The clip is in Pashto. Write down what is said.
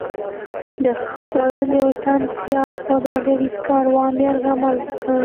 د خپل یو تن سیال سوداګریز کاروان یرغمل کړ.